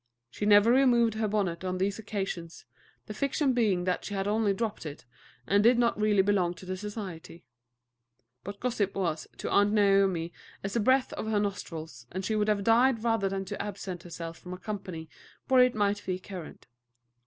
She never removed her bonnet on these occasions, the fiction being that she had only dropped in, and did not really belong to the society; but gossip was to Aunt Naomi as the breath of her nostrils, and she would have died rather than to absent herself from a company where it might be current.